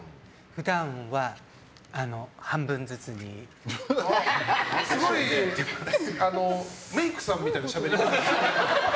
普段は、半分ずつに。すごいメイクさんみたいなしゃべり方。